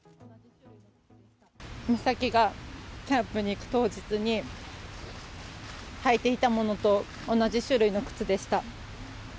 美咲がキャンプに行く当日に、履いていたものと同じ種類の靴でした。